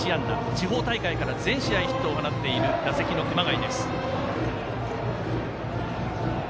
地方大会から全試合ヒットを放っている打席の熊谷です。